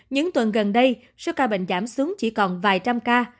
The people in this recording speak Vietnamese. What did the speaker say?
những tuần gần đây số ca bệnh giảm xuống chỉ còn vài trăm ca